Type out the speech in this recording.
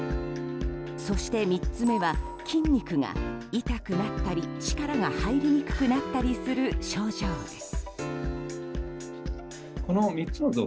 そして、３つ目は筋肉が痛くなったり力が入りにくくなったりする症状です。